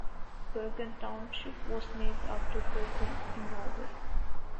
Bergen Township was named after Bergen, in Norway.